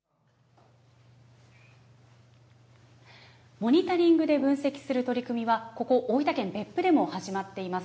モニタリングで分析する取り組みは、ここ、大分県別府でも始まっています。